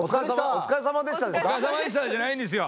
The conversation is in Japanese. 「お疲れさまでした」じゃないんですよ。